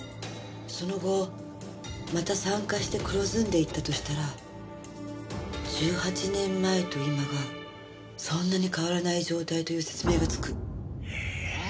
その後また酸化して黒ずんでいったとしたら１８年前と今がそんなに変わらない状態という説明がつく。